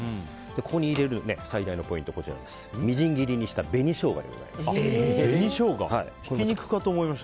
ここに入れる最大のポイントはみじん切りにしたひき肉かと思いました。